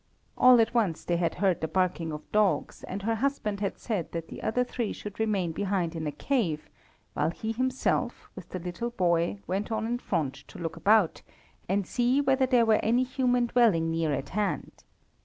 All at once they had heard the barking of dogs, and her husband had said that the other three should remain behind in a cave, while he himself, with the little boy, went on in front to look about, and see whether there were any human dwelling near at hand.